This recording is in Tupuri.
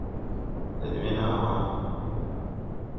Lɛd we naa wà.